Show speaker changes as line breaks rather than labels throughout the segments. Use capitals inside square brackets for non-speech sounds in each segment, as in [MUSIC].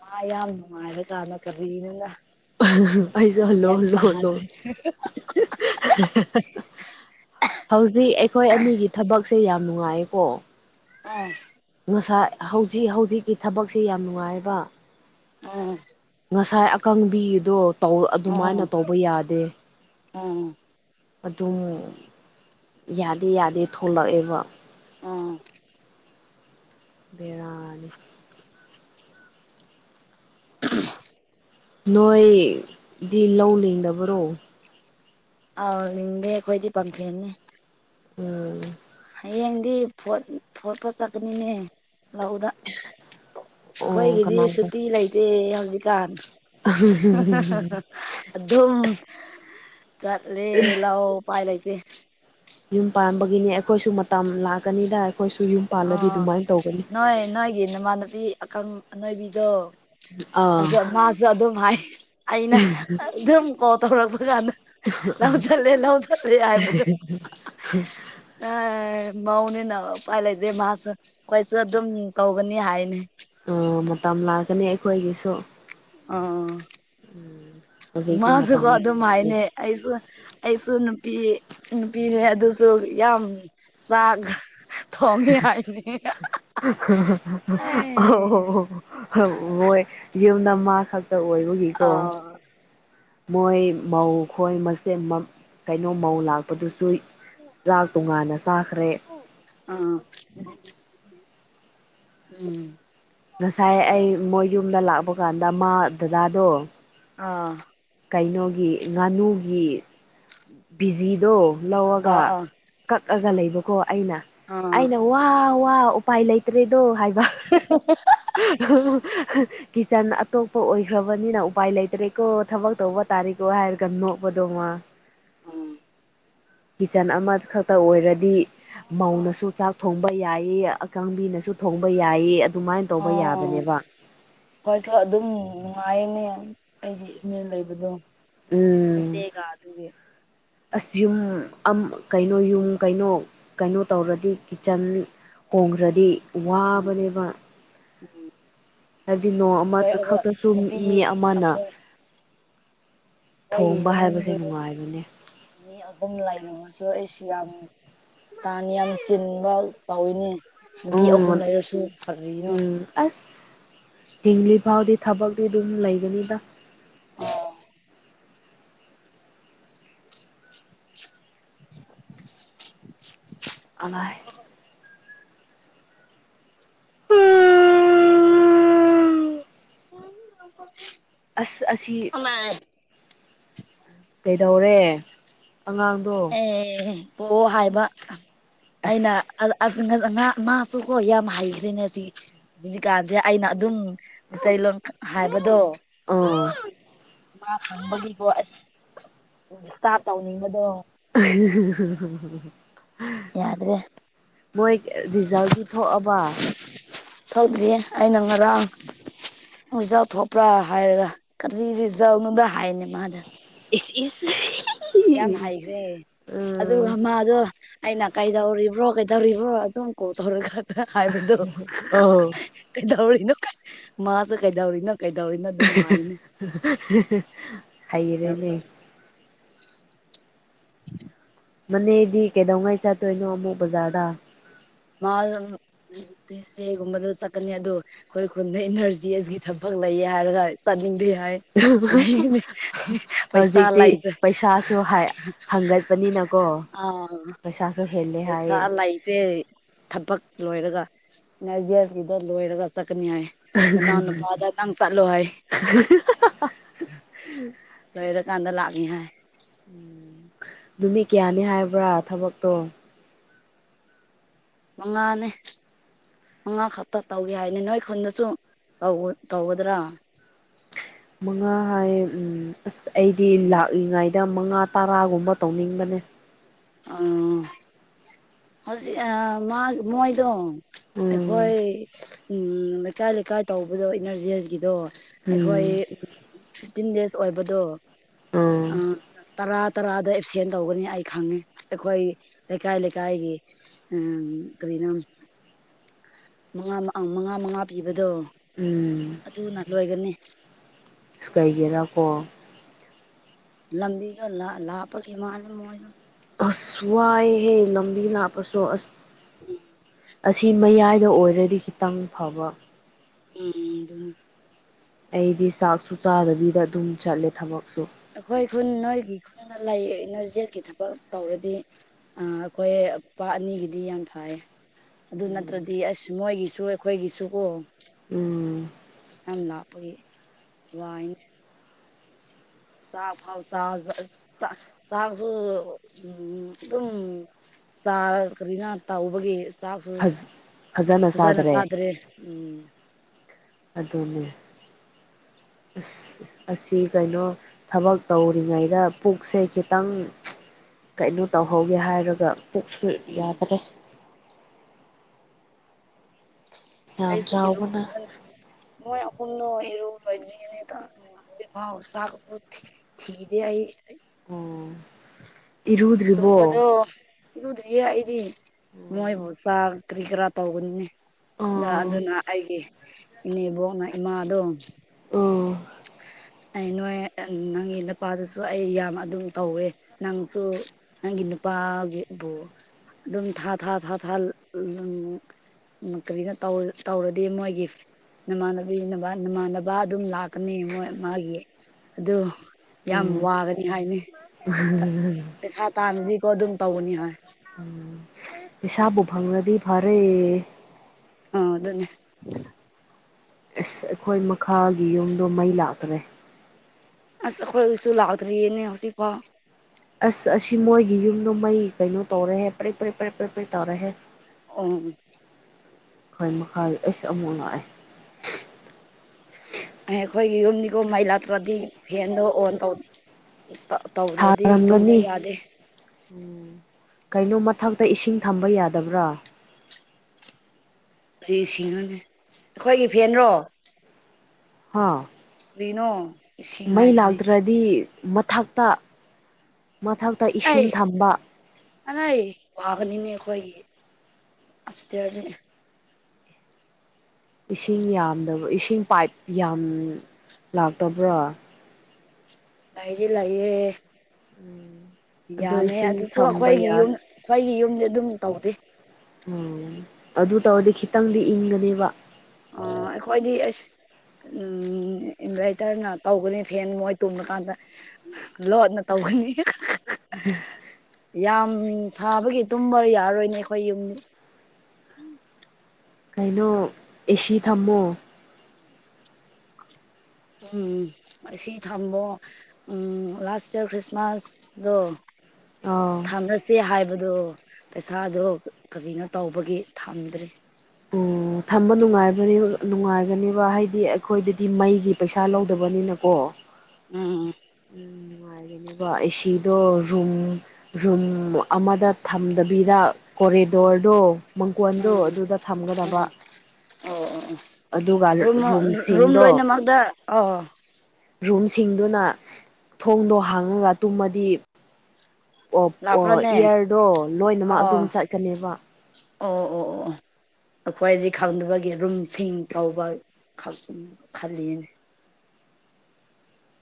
ꯃꯥ ꯌꯥꯝ ꯅꯨꯡꯉꯥꯏꯔꯖꯥꯠꯂ ꯀꯔꯤ [UNINTELLIGIBLE]
ꯑꯩꯁꯨ ꯍꯜꯂꯣ ꯍꯜꯂꯣ ꯍꯜꯂꯣ ꯍꯧꯖꯤꯛ ꯑꯩꯈꯣꯏ ꯑꯅꯤꯒꯤ ꯊꯕꯛꯁꯦ ꯌꯥꯝ ꯅꯨꯡꯉꯥꯏꯀꯣ
[INAUDIBLE]
ꯉꯁꯥꯏ ꯍꯧꯖꯤꯛ ꯍꯧꯖꯤꯛꯀꯤ ꯊꯕꯛꯁꯤ ꯌꯥꯝ ꯅꯨꯡꯉꯥꯏꯔꯤꯕ
ꯑꯥ
ꯉꯁꯥꯏ ꯑꯀꯪꯕꯤꯗꯣꯧ
ꯑꯥ
ꯑꯗꯨꯃꯥꯏꯅ ꯇꯧꯕ ꯌꯥꯗꯦ
ꯑꯥ
ꯑꯗꯨꯝ ꯌꯥꯗꯦ ꯌꯥꯗꯦ ꯊꯣꯛꯂꯛꯑꯦꯕ
ꯑꯥ
ꯕꯔꯥꯗ ꯅꯣꯏꯗꯤ ꯂꯧ ꯂꯤꯡꯅꯕꯔꯣ
ꯑꯥꯎꯅꯤꯡꯗꯦ ꯑꯩꯈꯣꯏꯗꯤ ꯄꯥꯝꯊꯦꯅꯤ
ꯎꯝ
ꯍꯌꯦꯡꯗꯤ ꯐꯣꯠꯄꯣꯠ ꯆꯠꯀꯅꯤꯅꯦ ꯂꯧꯗ
ꯑꯣ
ꯑꯩꯈꯣꯏꯒꯤꯗꯤ
ꯀꯅꯥꯒ
ꯁꯨꯇꯤ ꯂꯩꯇꯦ ꯍꯧꯖꯤꯛꯀꯥꯟ ꯑꯗꯨꯝ ꯆꯠꯂ ꯂꯥꯎ ꯄꯥꯏ ꯂꯩꯇꯦ
ꯌꯨꯝ ꯄꯥꯟꯕꯒꯤꯅꯤ ꯑꯩꯈꯣꯏꯁꯨ ꯃꯇꯝ ꯂꯥꯛꯀꯅꯤꯗ ꯑꯩꯈꯣꯏꯁꯨ ꯌꯨꯝ ꯄꯥꯜꯂꯗꯤ
ꯑꯣ
ꯑꯗꯨꯃꯥꯏꯅ ꯇꯧꯒꯅꯤ
ꯅꯣꯏ ꯅꯣꯏꯒꯤ ꯅꯃꯥꯟꯅꯨꯄꯤ ꯑꯀꯪ ꯑꯅꯣꯏꯕꯤꯗꯣ
ꯑꯥ
ꯑꯗ ꯃꯥꯁꯨ ꯑꯗꯨꯝ ꯍꯥꯏ ꯑꯩꯅ ꯑꯗꯨꯝ ꯀꯣꯜ ꯇꯧꯔꯛꯄ ꯀꯥꯟꯗ ꯂ ꯆꯠꯂꯦ ꯂ ꯆꯠꯂ ꯍꯥꯏꯏ ꯃꯗꯨ ꯑꯦ ꯃꯧꯅꯤꯅ ꯎꯄꯥꯏ ꯂꯩꯇꯦ ꯃꯥꯁꯨ ꯑꯩꯈꯣꯏꯁꯨ ꯑꯗꯨꯝ ꯀꯧꯒꯅꯤ ꯍꯥꯏꯅꯤ
ꯑ ꯃꯇꯝ ꯂꯥꯛꯀꯅꯤ ꯑꯩꯈꯣꯏꯒꯤꯁꯨ
ꯑꯣ
ꯍꯧꯖꯤꯛꯀꯤ ꯃꯇꯝ
ꯃꯥꯁꯨꯀꯣ
ꯂꯥꯛꯄꯗꯗꯤ
ꯑꯗꯨꯝꯥꯏꯅꯦ ꯑꯩꯁꯨ ꯑꯩꯁꯨ ꯅꯨꯄꯤ ꯅꯨꯄꯤꯅꯦ ꯑꯗꯨꯁꯨ ꯌꯥꯝ ꯆꯥꯛ ꯊꯣꯡꯉꯦ ꯍꯥꯏꯅꯦ
ꯑꯣ ꯍ ꯍ ꯋꯥꯏ ꯌꯨꯝꯗ ꯃꯥ ꯈꯛꯇ ꯑꯣꯏꯕꯒꯤ
ꯑ
ꯃꯣꯏ ꯃꯧ ꯈꯣꯏ ꯃꯆꯦꯠ ꯀꯩꯅꯣ ꯃꯧ ꯂꯥꯛꯄꯗꯨꯁꯨ ꯆꯥꯛ ꯇꯣꯉꯥꯟꯅ ꯆꯥꯈ꯭ꯔꯦ
ꯑꯥ ꯎꯝ
ꯉꯁꯥꯏ ꯑꯩ ꯃꯣꯏ ꯌꯨꯝꯗ ꯂꯥꯛꯄ ꯀꯥꯟꯗ ꯃꯥ ꯗꯗꯥꯗꯣ
ꯑꯥ
ꯀꯩꯅꯣꯒꯤ ꯉꯥꯅꯨꯒꯤ ꯕꯤꯖꯤꯗꯣ ꯂꯧꯔꯒ
ꯑꯥ ꯑꯥ
ꯀꯛꯑꯒ ꯂꯩꯕꯀꯣ ꯑꯩꯅ
ꯑꯥ
ꯑꯩꯅ ꯋꯥ ꯋꯥ ꯎꯄꯥꯏ ꯂꯩꯇ꯭ꯔꯦꯗꯣ ꯍꯥꯏꯕ
[UNINTELLIGIBLE]
[UNINTELLIGIBLE] ꯀꯤꯠꯆꯟ ꯑꯇꯣꯞꯄ ꯑꯣꯏꯈ꯭ꯔꯕꯅꯤꯅ ꯎꯄꯥꯏ ꯂꯩꯇ꯭ꯔꯦꯀꯣ ꯊꯕꯛ ꯇꯧꯕ ꯇꯥꯔꯦꯀꯣ ꯍꯥꯏꯔꯒ ꯅꯣꯛꯄꯗꯧꯃ
ꯎꯝ
ꯀꯤꯠꯆꯟ ꯑꯃꯈꯛꯇ ꯑꯣꯏꯔꯗꯤ ꯃꯧꯅꯁꯨ ꯆꯥꯛ ꯊꯣꯡꯕ ꯌꯥꯏ ꯑꯀꯪꯕꯤꯅꯁꯨ ꯊꯣꯡꯕ ꯌꯥꯏꯌꯦ ꯑꯗꯨꯃꯥꯏꯅ ꯇꯧꯕ
ꯑꯣ
ꯌꯥꯕꯅꯦꯕ
ꯍꯣꯏꯁꯨ ꯑꯗꯨꯝ ꯅꯨꯡꯉꯥꯏꯌꯦꯅꯦ ꯑꯩꯒꯤ ꯏꯃꯦꯜ ꯂꯩꯕꯗꯣ
ꯎꯝ
ꯁꯦꯒ ꯑꯗꯨꯒꯦ
ꯑꯁ ꯌꯨꯝ ꯀꯩꯅꯣ ꯌꯨꯝ ꯀꯩꯅꯣ ꯀꯩꯅꯣ ꯇꯧꯔꯗꯤ ꯀꯤꯠꯆꯟ ꯈꯣꯡꯈ꯭ꯔꯗꯤ
ꯎꯝ
ꯋꯥꯕꯅꯦꯕ
ꯎꯝ
ꯍꯥꯏꯗꯤ ꯅꯣꯡ ꯑꯃ
ꯑꯩꯈꯣꯏ ꯑꯩꯈꯣꯏ
ꯈꯛꯇꯁꯨ
ꯅꯨꯄꯤ
ꯃꯤ ꯑꯃꯅ
ꯑꯩꯈꯣꯏ
ꯊꯣꯡꯕ ꯍꯥꯏꯕꯁꯦ ꯅꯨꯡꯉꯥꯏꯕꯅꯤ
ꯑꯒꯨꯝꯅ ꯂꯏꯔꯕꯁꯨ ꯑꯦꯁꯤꯌꯥꯕꯨ ꯇꯥꯅꯤ ꯌꯥꯝ ꯆꯤꯟꯕ ꯇꯧꯋꯅꯦ ꯅꯨꯄꯤ ꯑꯍꯨꯝ
ꯎꯝ
ꯂꯩꯔꯁꯨ ꯐꯔꯤꯅꯣ
ꯎꯝ ꯑꯁ ꯍꯤꯡꯂꯤ ꯐꯥꯎꯗꯤ ꯊꯕꯛꯗꯤ ꯑꯗꯨꯝ ꯂꯩꯒꯅꯤꯗ ꯑꯃꯥꯏ
[INAUDIBLE]
ꯑꯁ ꯑꯁꯤ
ꯄꯥꯏ
ꯀꯩꯗꯧꯔꯦ ꯑꯉꯥꯡꯗꯣ
ꯑꯦ ꯄꯣ ꯍꯥꯏꯕ ꯑꯩꯅ ꯑꯁ ꯑꯁ ꯑꯉꯥ ꯃꯃꯥꯁꯨꯀꯣ ꯌꯥꯝ ꯍꯩꯈ꯭ꯔꯦꯅꯦ ꯁꯤ ꯖꯤꯛꯀꯥꯟꯖꯦ ꯑꯩꯅ ꯑꯗꯨꯝ ꯃꯩꯇꯩꯂꯣꯟ ꯈꯛ ꯍꯥꯏꯕꯗꯣ
ꯑ
ꯃꯥ ꯈꯪꯕꯒꯤꯀꯣ ꯑꯁ ꯏꯁꯇꯥꯞ ꯇꯧꯅꯤꯡꯕꯗꯣ
ꯑ ꯍ ꯍ ꯍ ꯍ ꯍ
ꯌꯥꯗ꯭ꯔꯦ
ꯃꯣꯏ ꯔꯤꯖꯜꯗꯤ ꯊꯣꯛꯑꯕ
ꯊꯧꯛꯗ꯭ꯔꯤꯌꯦ ꯑꯩꯅ ꯉꯔꯥꯡ ꯔꯤꯖꯜ ꯊꯣꯛꯄ꯭ꯔꯥ ꯍꯥꯏꯔꯒ ꯀꯔꯤ ꯔꯤꯖꯜꯅꯣꯗ ꯍꯥꯏꯅꯦ ꯃꯥꯗ
ꯏꯁ ꯏꯁ
ꯌꯥꯝ ꯍꯥꯏꯈ꯭ꯔꯦ ꯑꯗꯨꯒ
ꯎꯝ
ꯃꯥꯗꯣ ꯑꯩꯅ ꯀꯩꯗꯧꯔꯤꯕ꯭ꯔꯣ ꯀꯩꯗꯧꯔꯤꯕ꯭ꯔꯣ ꯑꯗꯨꯝ ꯀꯣꯜ ꯇꯧꯔꯒ ꯍꯥꯏꯕꯗꯣ
ꯑꯣ
ꯀꯩꯗꯧꯔꯤꯅꯣ ꯀ ꯃꯥꯖꯨ ꯀꯩꯗꯧꯔꯤꯅꯞ ꯀꯩꯗꯧꯔꯤꯅꯣ ꯑꯗꯨꯝ ꯍꯥꯏꯅꯦ
ꯍꯩꯔꯦꯅꯦ
ꯌꯥꯝꯅ
ꯃꯅꯦꯗꯤ ꯀꯩꯗꯧꯉꯩ ꯆꯠꯇꯣꯏꯅꯣ ꯑꯃꯨꯛ ꯕꯖꯥꯔꯗ
ꯃꯥꯜ [INAUDIBLE] ꯏꯒꯨꯝꯕꯗ ꯆꯠꯀꯅꯤ ꯑꯗꯣ ꯑꯈꯣꯏ ꯈꯨꯟꯗ ꯏꯅꯔꯖꯤ ꯑꯁꯤꯒꯤ ꯊꯕꯛ ꯂꯩꯌꯦ ꯍꯥꯏꯔꯒ ꯆꯠꯅꯤꯡꯗꯦ ꯂꯥꯏ ꯂꯩꯏꯅꯦ ꯄꯩꯁꯥ
ꯍꯧꯖꯤꯛꯇꯤ
ꯂꯩꯗ
ꯄꯩꯁꯥꯁꯨ ꯍꯥꯏ ꯍꯪꯒꯠꯄꯅꯤꯅꯀꯣ ꯄꯩꯁꯥ
ꯄꯩꯁꯥ ꯂꯩꯗꯦ ꯊꯕꯛ ꯂꯣꯏꯔꯒ ꯅꯖꯤꯌꯦꯁꯀꯤꯗꯣ ꯂꯣꯏꯔꯒ ꯆꯠꯀꯅꯤ ꯍꯥꯏ ꯃꯅꯥꯎ ꯅꯨꯄꯥꯇ ꯅꯪ ꯆꯠꯂꯣ ꯍꯥꯏ
ꯍ ꯍ ꯍꯥ
ꯂꯥꯏꯔ ꯀꯥꯟꯗ ꯂꯥꯛꯅꯤ ꯍꯥꯏ
ꯎꯝ ꯅꯨꯃꯤꯠ ꯀꯌꯥꯅꯤ ꯍꯥꯏꯕ꯭ꯔꯥ ꯊꯕꯛꯇꯣ
ꯃ ꯃꯥꯅꯦ ꯃꯉꯥ ꯈꯛꯇ ꯇꯧꯒꯦ ꯍꯥꯏꯅꯦ ꯅꯣꯏ ꯈꯨꯟꯗꯁꯨ ꯇꯧꯒꯠ ꯇꯧꯒꯗ꯭ꯔꯥ
ꯃꯉꯥ ꯍꯥꯏꯌꯦ ꯎꯝ ꯑꯁ ꯑꯩꯗꯤ ꯂꯥꯛꯂꯤꯉꯥꯏ ꯌꯥꯝ ꯃꯉꯥ ꯇꯔꯥꯒꯨꯝꯕ ꯇꯧꯅꯤꯡꯕꯅꯦ
ꯑꯥ ꯍꯣꯖꯤꯛ ꯑ ꯃꯥꯛ ꯃꯣꯏꯗꯣ
ꯎꯝ
ꯑꯩꯈꯣꯏ ꯎꯝ ꯂꯩꯀꯥꯏ ꯂꯩꯀꯥꯏ ꯇꯧꯕꯗꯣ ꯏꯅꯔꯖꯤꯌꯦꯁꯒꯤꯗꯣ
ꯎꯝ
ꯑꯩꯈꯣꯏ ꯐꯤꯐꯇꯤꯟ ꯗꯦꯖ ꯑꯣꯏꯕꯗꯣ
ꯎꯝ
ꯑ ꯇꯔꯥ ꯇꯔꯥꯗ ꯑꯦꯞꯁꯦꯟ ꯇꯧꯒꯅꯤ ꯑꯩ ꯈꯪꯉꯦ ꯑꯩꯈꯣꯏ ꯂꯩꯀꯥꯏ ꯂꯩꯀꯥꯏꯒꯤ ꯑꯝ ꯀꯔꯤꯅꯣ ꯃꯉꯥ ꯃꯪ ꯑ ꯃꯉꯥ ꯃꯉꯥ ꯄꯤꯕꯗꯣ
ꯎꯝ
ꯑꯗꯨꯅ ꯂꯣꯏꯒꯅꯦ
ꯁꯨ ꯀꯥꯏꯒꯦꯔꯥ ꯀꯣ
ꯂꯝꯕꯤꯗꯣ ꯂ ꯂꯥꯞꯄꯒꯤ ꯃꯥꯅꯦ ꯃꯣꯏꯅ
ꯑꯁ ꯋꯥꯏꯌꯦꯍꯦ ꯂꯝꯕꯤ ꯂꯥꯛꯄꯁꯣ ꯑꯁ
ꯎꯝ
ꯑꯁꯤ ꯃꯌꯥꯏꯗ ꯑꯣꯏꯔꯗꯤ ꯈꯤꯇꯪ ꯐꯕ
ꯎꯝ ꯕꯨꯡ
ꯑꯩꯗꯤ ꯆꯥꯛꯁꯨ ꯆꯥꯗꯕꯤꯗ ꯑꯗꯨꯝ ꯆꯠꯂꯦ ꯊꯕꯛꯁꯨ
ꯑꯩꯈꯣꯏ ꯈꯨꯟ ꯅꯣꯏꯒꯤ ꯈꯨꯅ ꯂꯩ ꯅꯣꯏ ꯖꯦꯠꯀꯤ ꯊꯕꯛ ꯇꯧꯔꯗꯤ ꯑ ꯑꯩꯈꯣꯏ ꯄꯥꯠ ꯑꯅꯤꯒꯤꯗꯤ ꯌꯥꯝ ꯐꯥꯏꯌꯦ ꯑꯗꯨ
ꯎꯝ
ꯅꯠꯇ꯭ꯔꯗꯤ ꯑꯁ ꯃꯣꯏꯒꯤꯁꯨ ꯑꯩꯈꯣꯏꯒꯤꯁꯨ ꯀꯣ
ꯎꯝ
ꯌꯥꯝ ꯂꯥꯛꯄꯒꯤ ꯋꯥꯏꯟ ꯆꯥꯛ ꯐꯥꯎ ꯆꯕ ꯆꯥꯛꯁꯨ ꯎꯝ ꯗꯨꯝ ꯆꯥꯔ ꯀꯔꯤꯅ ꯇꯥꯎꯕꯒꯤ ꯆꯥꯛꯁꯨ ꯐꯖꯅ ꯆꯥꯗ꯭ꯔꯦ ꯎꯝ
ꯑꯗꯨꯅꯤ ꯑꯁ ꯑꯁꯤ ꯀꯩꯅꯣ ꯊꯕꯛ ꯇꯧꯔꯤꯉꯩꯗ ꯄꯨꯛꯁꯦ ꯈꯤꯇꯪ ꯀꯩꯅꯣ ꯇꯧꯍꯧꯒꯦ ꯍꯥꯏꯔꯒ ꯄꯨꯛꯁꯨ
ꯎꯝ
ꯌꯥꯗ꯭ꯔꯦ ꯌꯥꯝ
ꯑꯩꯁꯨ
ꯆꯥꯎꯕꯅ
ꯏꯔꯨꯅꯤꯉꯣꯜꯂ ꯃꯣꯏ ꯑꯍꯨꯝꯅ ꯑꯦꯔꯨ ꯂꯣꯏꯗꯕꯅꯦ ꯇ ꯋꯥꯡꯁꯤꯠ ꯑꯍꯥꯎ ꯆꯥ ꯊꯤꯗ‌ꯦ ꯑꯩ
ꯑꯣ [INAUDIBLE]
ꯇꯨꯝꯕꯗꯣ ꯏꯔꯨꯗ꯭ꯔꯤꯌꯦ ꯑꯩꯗꯤ ꯃꯣꯏꯕꯨ
ꯎꯝ
ꯆꯥꯛ ꯀꯔꯤ ꯀꯔꯥ ꯇꯧꯒꯅꯤꯅꯦ ꯑ
ꯑꯣ
ꯑꯗꯨꯅ ꯑꯩꯒꯤ ꯏꯅꯦꯕꯣꯛꯅ ꯏꯃꯥꯗꯣ
ꯑ‌ꯣ
ꯑꯩ ꯅꯣꯏ ꯅꯪꯒꯤ ꯅꯨꯄꯥꯗꯁꯨ ꯑꯩ ꯌꯥꯝ ꯑꯗꯨꯝ ꯇꯧꯋꯦ ꯅꯪꯁꯨ ꯅꯪꯒꯤ ꯅꯨꯄꯥꯒꯤꯕꯨ ꯑꯗꯨꯝ ꯊꯥ ꯊꯥ ꯊꯥ ꯊꯥꯜ ꯎꯝ ꯀꯔꯤꯅꯣ ꯇꯧꯔꯗꯤ ꯃꯣꯏꯒꯤ ꯅꯃꯥꯟꯅꯕꯤ ꯅꯃꯥꯟꯅꯕ ꯑꯗꯨꯝ ꯂꯥꯛ ꯀꯅꯤ ꯃꯣꯏ ꯃꯥꯒꯤ ꯑꯗꯨ ꯌꯥꯝ
ꯎꯝ
ꯋꯥꯒꯅꯤ ꯍꯥꯏꯅ‌ꯦ ꯊ ꯄꯩꯁꯥ ꯇꯥꯟꯔꯗꯤꯀꯣ ꯑꯗꯨꯝ ꯇꯧꯕꯅꯤ ꯍꯣꯏ
ꯎꯝ [INAUDIBLE] ꯄꯩꯥꯁꯥꯕꯨ ꯐꯪꯔꯗꯤ ꯐꯔꯦ
ꯑ ꯑꯗꯨꯅꯦ
ꯑꯁ ꯑꯩꯈꯣꯏ ꯃꯈꯥꯒꯤ ꯌꯨꯝꯗꯣ ꯃꯩ ꯂꯥꯛꯇ꯭ꯔꯦ
ꯑꯁ ꯑꯩꯈꯣꯏꯒꯤꯁꯨ ꯂꯥꯛꯗ꯭ꯔꯤꯌꯦꯅꯦ ꯍꯧꯖꯤꯛꯐꯥꯎ
ꯑꯁ ꯑꯁꯤ ꯃꯣꯏꯒꯤ ꯌꯨꯝꯗꯣ ꯃꯩ ꯀꯩꯅꯣ ꯇꯧꯔ‌ꯦꯍꯦ ꯄ꯭ꯔꯦ ꯄ꯭ꯔꯦꯠ ꯄ꯭ꯔꯦꯠ ꯄ꯭ꯔꯦ ꯄ꯭ꯔ‌ꯦꯠ ꯇꯧꯔ‌ꯦꯍꯦ
ꯑꯣꯝ
ꯑꯩꯈ‌ꯣꯏ ꯃꯈꯥ ꯑꯩꯁꯨ ꯑꯃꯨꯛ ꯂꯥꯛꯑꯦ
ꯑꯩꯈꯣꯏꯒꯤ ꯌꯨꯝꯗꯤꯒꯨꯝ ꯃꯩ ꯂꯥꯛꯇ꯭ꯔꯗꯤ ꯐꯦꯟꯗꯣ ꯑꯣꯟ ꯇꯧ ꯄ ꯇꯧꯗ꯭ꯔꯗꯤ ꯇꯨꯝꯕ
ꯁꯥꯔꯝꯒꯅꯤ
ꯌꯥꯗꯦ
ꯎꯝ ꯀꯩꯅꯣ ꯃꯊꯛꯇ ꯏꯁꯤꯡ ꯊꯝꯕ ꯌꯥꯗꯕ꯭ꯔꯥ
ꯀꯔꯤ ꯏꯁꯤꯡ‌ꯅ‌ꯣꯅꯦ ꯑꯩꯈꯣꯏꯒꯤ ꯐꯦꯟꯔꯣ
ꯍꯥꯥ
ꯀꯔꯤꯅꯣ ꯏꯁꯤꯡ ꯍꯥꯏꯕꯗꯤ
ꯗꯤ ꯃꯊꯛꯇ ꯃꯊꯛꯇ ꯏꯁꯤꯡ ꯊꯝꯕ
ꯑꯅ‌ꯩ ꯋꯥꯒꯅꯤꯅꯦ ꯑꯩꯈꯣꯏꯒꯤ ꯑꯞꯁ꯭ꯇꯤꯌꯥ꯭ꯔꯗꯅ‌ꯦ
ꯏꯁꯤꯡ ꯌꯥꯝꯗꯕ ꯏꯁꯤꯡ ꯄꯥꯏꯞ ꯌꯥꯝ ꯂꯥꯛꯇꯕ꯭ꯔꯥ
ꯂꯥꯏꯔꯤ ꯂꯩꯌꯦ
ꯎꯝ ꯑꯗꯣ
ꯌꯥꯝꯃꯦ
ꯏꯁꯤꯡ
ꯑꯗꯨꯁꯨ
ꯊꯝꯕ
ꯑꯩꯈꯣꯏꯒꯤ
ꯌꯥꯏ
ꯌꯨꯝ ꯑꯩꯈꯣꯏꯒꯤ ꯌꯨꯝꯗꯤ ꯑꯗꯨꯝ ꯇꯧꯗꯦ
ꯎꯝ ꯑꯗꯨ ꯇꯧꯔꯗꯤ ꯈꯤꯇꯪꯗꯤ ꯏꯪꯒꯅꯦꯕ
ꯑꯣꯈꯣꯏꯗꯤ ꯑꯁ ꯏꯟꯚꯥꯏꯇ꯭ꯔꯅ ꯇꯧꯒꯅꯤ ꯐꯦꯟ ꯃꯣꯏ ꯇꯨꯝꯒ꯭ꯔ ꯀꯥꯟꯗ ꯂꯣꯠꯅ ꯇꯧꯒꯅꯤ
[UNINTELLIGIBLE]
ꯌꯥꯝ ꯁꯥꯕꯒꯤ ꯇꯨꯝꯕ ꯌꯥꯔꯔꯣꯏꯅꯦ ꯑꯩꯈꯣꯏ ꯌꯨꯝꯗꯤ
ꯀꯩꯅꯣ ꯑꯦꯁꯤ ꯊꯝꯃꯣ
ꯎꯝ ꯑꯁꯤ ꯊꯝꯃ‌ꯣ ꯎꯝ ꯂꯥꯁ ꯏꯌꯥꯔ ꯈ꯭ꯔꯤꯁꯃꯥꯁꯗꯣ
ꯑ
ꯊꯝꯂꯁꯦ ꯍꯥꯏꯕꯗꯣ ꯄꯩꯁꯥꯗꯣ ꯀꯔꯤꯅꯣ ꯇꯧꯕꯒꯤ ꯊꯝꯗ꯭ꯔꯦ
ꯑꯣ ꯊꯝꯕ ꯅꯨꯡꯉꯥꯏꯕꯅꯤ ꯅꯨꯡꯉꯥꯏꯒꯅꯤꯕ ꯍꯥꯏꯗꯤ ꯑꯩꯈꯣꯏꯗꯗꯤ ꯃꯩꯒꯤ ꯄꯩꯁꯥ ꯂꯧꯗꯕꯅꯤꯅꯀꯣ
ꯎꯝ
ꯎꯝ ꯅꯨꯡꯉꯥꯏꯒꯅꯤꯕ ꯑꯦꯁꯤꯗꯣ ꯔꯨꯝ ꯔꯨꯝ ꯑꯃꯗ ꯊꯝꯗꯕꯤꯗ ꯀꯣꯔꯤꯗꯣꯔꯗꯣ ꯃꯪꯒꯣꯟꯗꯣ
ꯎꯝ
ꯑꯗꯨꯗ ꯊꯝꯒꯗꯕ
ꯎꯝ ꯑꯣ
ꯑꯗꯨꯒ
ꯑꯣ ꯔꯨꯝ ꯔꯨꯝ
ꯔꯨꯝꯁꯤꯡꯗꯣ
ꯂꯣꯏꯅꯃꯛꯇ ꯑꯣ
ꯔꯨꯝꯁꯤꯡꯗꯨꯅ ꯊꯣꯡꯗꯣ ꯍꯥꯡꯉꯒ ꯇꯨꯝꯃꯗꯤ ꯑꯣ ꯑꯣ
ꯂꯥꯛꯄ꯭ꯔꯥꯅꯦ
ꯏꯌꯥꯔꯗꯣ ꯂꯣꯏꯅꯃꯛ ꯑꯗꯨꯝ
ꯑꯣ
ꯆꯠꯀꯅꯤꯕ
ꯑꯣ ꯑꯣ ꯑꯣ ꯑꯩꯈꯣꯏꯗꯤ ꯈꯪꯗꯕꯒꯤ ꯔꯨꯝꯁꯤꯡ ꯇꯧꯕ ꯈꯛ ꯈꯜꯂꯤꯌꯦꯅꯦ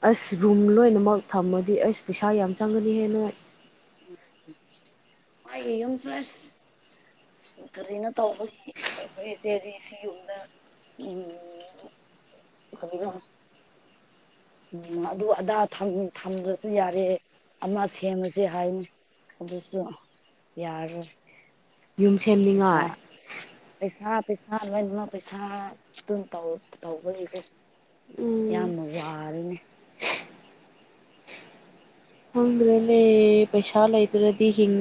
ꯑꯁ ꯔꯨꯝ ꯂꯣꯏꯅꯃꯛ ꯊꯝꯃꯗꯤ ꯑꯩꯁ ꯄꯩꯁꯥ ꯌꯥꯝ ꯆꯪꯒꯅꯤ ꯍꯦ ꯅꯣꯏ
ꯃꯥꯒꯤ ꯌꯨꯝ ꯁꯦ ꯑꯁ ꯀꯔꯤ‌ꯅ‌ꯣ ꯇꯧꯕꯒꯤ ꯑꯩꯈꯣꯏꯁꯦ ꯍꯧꯖꯤꯛ ꯁꯤꯒꯤ ꯌꯨꯝꯗ ꯎꯝ ꯀꯔꯤꯅꯣ ꯎꯝ ꯑꯗꯨ ꯑꯗꯥ ꯊꯝ ꯊꯝꯗ꯭ꯔꯁꯨ ꯌꯥꯔꯦ ꯑꯃ ꯁꯦꯝꯃꯁꯦ ꯍꯥꯏꯅꯦ ꯑꯗꯨꯁꯨ ꯌꯥꯔꯣꯏ
ꯌꯨꯝ ꯁꯦꯝꯅꯤꯡꯉꯥꯏ
ꯄꯩꯁꯥ ꯄꯩꯁꯥ ꯂꯣꯏꯅꯃꯛ ꯄꯩꯁꯥ ꯑꯗꯨꯝ ꯇꯧ ꯇꯧꯕꯒꯤꯀꯣ
ꯎꯝ
ꯌꯥꯝꯅ ꯋꯥꯔꯦꯅꯦ
ꯈꯪꯗ꯭ꯔꯦꯅꯦ ꯄꯩꯁꯥ ꯂꯩꯇꯔꯗꯤ ꯍꯤꯡ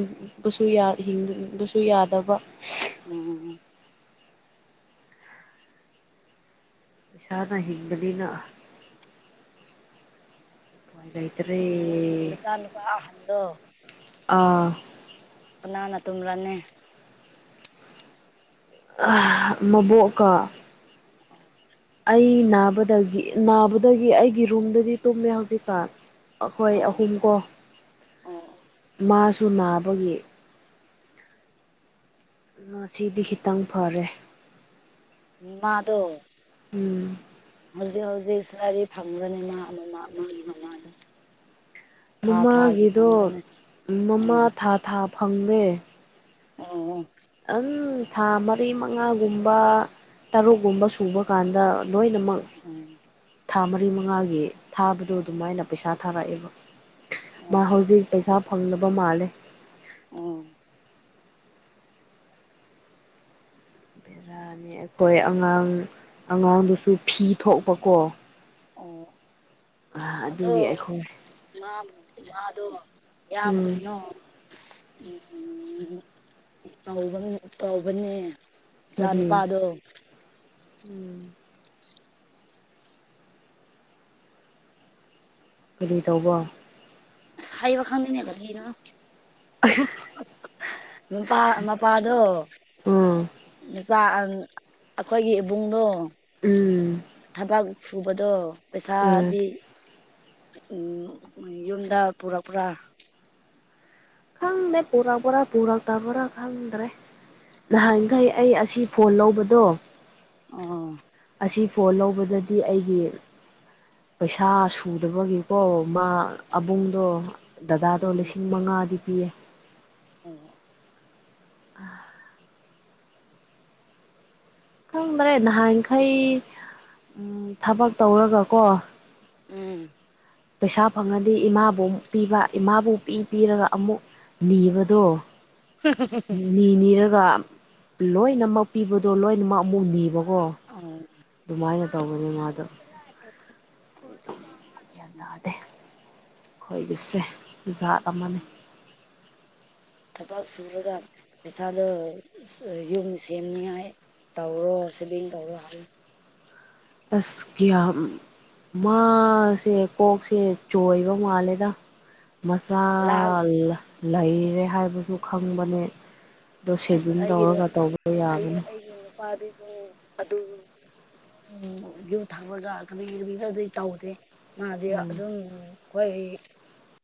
ꯗꯨꯁꯨ ꯌꯥ ꯍꯤꯡꯕꯁꯨ ꯌꯥꯗꯕ
ꯎꯝ
ꯄꯩꯁꯥꯅ ꯍꯤꯡꯕꯅꯤꯅ ꯎꯄꯥꯏ ꯂꯩꯇ꯭ꯔꯦ
ꯅꯆꯥ ꯅꯨꯄꯥ ꯑꯍꯟꯗꯣ
ꯑꯥ
ꯀꯅꯥꯅ ꯇꯨꯝꯕ꯭ꯔꯅꯦ
ꯑ ꯃꯕꯣꯛꯀꯥ
ꯑ [UNINTELLIGIBLE]
ꯑꯩ ꯅꯥꯕꯗꯒꯤ ꯅꯥꯕꯗꯒꯤ ꯑꯩꯒꯤ ꯔꯨꯝꯗꯗꯤ ꯇꯨꯝꯃꯦ ꯍꯧꯖꯤꯛꯀꯥꯟ ꯑꯩꯈꯣꯏ
ꯑꯣ
ꯑꯍꯨꯝꯀꯣ
ꯑꯣ
ꯃꯥꯁꯨ ꯅꯥꯕꯒꯤ ꯉꯁꯤꯗꯤ ꯈꯤꯇꯪ ꯐꯔꯦ
ꯃꯥꯗꯣ
ꯎꯝ
ꯍꯧꯖꯤꯛ ꯍꯧꯖꯤꯛꯁꯨ ꯒꯥꯔꯤ ꯐꯪꯕ꯭ꯔꯅꯦ ꯃꯥ ꯑꯃ ꯃꯥ ꯃꯥꯒꯤ ꯃꯃꯗꯣ
ꯃꯃꯥꯒꯤꯗꯣ
ꯐꯪꯕ꯭ꯔꯅꯦ
ꯃꯃꯥ
ꯎꯝ
ꯊꯥ ꯊꯥ ꯐꯪꯂꯦ
ꯑꯣ
ꯑꯝ ꯊꯥ ꯃꯔꯤ ꯃꯉꯥꯒꯨꯝꯕ ꯇꯔꯨꯛꯒꯨꯝꯕ ꯁꯨꯕ ꯀꯥꯟꯗ ꯂꯣꯏꯅꯃꯛ
ꯎꯝ
ꯊꯥ ꯃꯔꯤ ꯃꯉꯥꯒꯤ ꯊꯥꯕꯗꯣ ꯑꯗꯨꯃꯥꯏꯅ ꯄꯩꯁꯥ ꯊꯥꯔꯛꯑꯦꯕ ꯃꯥ
ꯑꯣ
ꯍꯧꯖꯤꯛ ꯄꯩꯁꯥ ꯐꯪꯗꯕ ꯃꯥꯜꯂꯦ
ꯑꯣ
ꯃꯅꯦ ꯑꯩꯈꯣꯏ ꯑꯉꯥꯡ ꯑꯉꯥꯡꯗꯨꯁꯨ ꯐꯤ ꯊꯣꯛꯄꯀꯣ
ꯑꯣ ꯑꯗꯣ
ꯑꯗꯨꯒꯤ ꯑꯩꯈꯣꯏ
ꯃꯥ ꯃꯥꯗꯣ ꯌꯥꯝ
ꯎꯝ
ꯀꯔꯤꯅꯣ ꯎꯝ ꯇꯧꯕꯅꯦ ꯇꯧꯕꯅꯦ ꯏꯆꯥ
ꯀꯔꯤ
ꯅꯨꯄꯥꯗꯣ
ꯎꯝ ꯀꯔꯤ ꯇꯧꯕ
ꯁꯥꯏꯕ ꯈꯪꯗꯅꯦꯒꯒꯤꯅ ꯃꯄꯥ ꯃꯄꯥꯗꯣ
ꯎꯝ
ꯃꯆꯥ ꯑꯩꯈꯣꯏꯒꯤ ꯏꯕꯨꯡꯗꯣ
ꯎꯝ
ꯊꯕꯛ ꯁꯨꯕꯗꯣ
ꯎꯝ
ꯄꯩꯁꯥꯗꯤ ꯌꯨꯝꯗ ꯄꯨꯔꯛ ꯄꯨꯔꯥ
ꯈꯪꯗꯦ ꯄꯨꯔꯥ ꯄꯨꯔꯥ ꯄꯨꯔꯛ ꯇꯥ ꯄꯨꯔ ꯈꯪꯗ꯭ꯔꯦ ꯅꯍꯥꯟꯈꯩ ꯑꯩ ꯑꯁꯤ ꯐꯣꯟ ꯂꯧꯕꯗꯣ
ꯑꯣ
ꯑꯁꯤ ꯐꯣꯟ ꯂꯧꯕꯗꯗꯤ ꯑꯩꯒꯤ ꯄꯩꯁꯥ ꯁꯨꯗꯕꯒꯤꯀꯣ ꯃꯥ ꯑꯕꯨꯡꯗꯣ ꯗꯗꯥꯗꯣ
ꯎꯝ
ꯂꯤꯁꯤꯡ ꯃꯉꯥꯗꯤ ꯄꯤꯌꯦ
ꯑꯣ
ꯑ ꯈꯪꯕꯔꯦ ꯅꯍꯥꯟꯈꯩ ꯊꯕꯛ ꯇꯧꯔꯒꯀꯣ
ꯎꯝ
ꯄꯩꯁꯥ ꯐꯪꯉꯗꯤ ꯏꯃꯥꯕꯨ ꯑꯃꯨꯛ ꯄꯤꯕ ꯏꯃꯥꯕꯨ ꯄꯤ ꯄꯤꯔꯒ ꯑꯃꯨꯛ ꯅꯤꯕꯗꯣ
[INAUDIBLE]
ꯅꯤ ꯅꯤꯔꯒ ꯂꯣꯏꯅꯃꯛ ꯄꯤꯕꯗꯣ ꯂꯣꯏꯅꯃꯛ ꯑꯃꯨꯛ ꯅꯤꯕꯀꯣ
ꯑ
ꯑꯗꯨꯃꯥꯏꯅ ꯇꯧꯕꯅꯤ ꯃꯥꯗꯣ ꯑꯗꯨꯝ ꯒ꯭ꯌꯥꯟ ꯇꯥꯗꯦ ꯑꯩꯈꯣꯏꯒꯤꯁꯦ ꯖꯥꯠ ꯑꯃꯅꯤ
ꯊꯕꯛ ꯁꯨꯔꯒ ꯄꯩꯥꯗ ꯌꯨꯝ ꯁꯦꯝꯅꯤꯉꯥꯏ ꯇꯧꯔꯣ ꯁꯤꯂꯤꯡ ꯇꯧꯔꯣ ꯍꯥꯏꯜ
ꯑꯁꯀꯤ ꯌꯥꯝ ꯃꯥꯁꯦ ꯀꯣꯛꯁꯦ ꯆꯣꯏꯕ ꯃꯥꯜꯂꯦꯗ ꯃꯆꯥ
ꯂꯥꯛ
ꯂꯩꯔꯦ ꯍꯥꯏꯕꯁꯨ ꯈꯪꯕꯅꯦ ꯑꯣ
ꯑꯁ
ꯁꯦꯚꯤꯡ ꯂꯧꯔꯒ ꯇꯧꯕ ꯌꯥꯒꯅꯤ
ꯎꯄꯥ ꯑꯗꯨꯗꯨꯣ ꯑꯗꯨ ꯎꯝ ꯌꯨ ꯊꯛꯄꯒ ꯑꯗꯨꯒꯤ ꯈꯔ ꯑꯗꯨꯗꯤ ꯇꯧꯗꯦ ꯃꯥꯗꯤ
ꯎꯝ
ꯑꯗꯨꯝ ꯑꯩꯈꯣꯏ